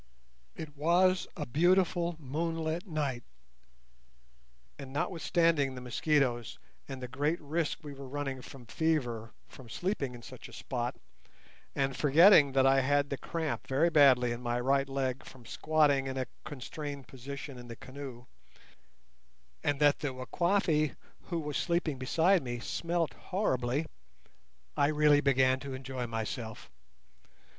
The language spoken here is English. It was a beautiful moonlight night, and, notwithstanding the mosquitoes, and the great risk we were running from fever from sleeping in such a spot, and forgetting that I had the cramp very badly in my right leg from squatting in a constrained position in the canoe, and that the Wakwafi who was sleeping beside me smelt horribly, I really began to enjoy myself.